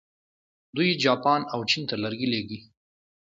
دوی جاپان او چین ته لرګي لیږي.